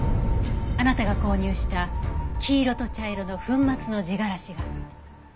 あなたが購入した黄色と茶色の粉末の地がらしが。